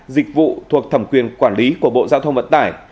dịch vụ thuộc thẩm quyền quản lý của bộ giao thông vận tải